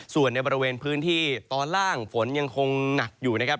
ส่วนในบริเวณพื้นที่ตอนล่างฝนยังคงหนักอยู่นะครับ